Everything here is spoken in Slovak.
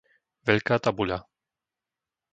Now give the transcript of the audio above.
Veľká tabuľa